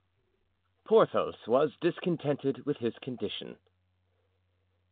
Porthos was Discontented with his Condition.